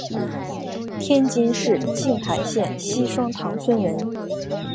天津市静海县西双塘村人。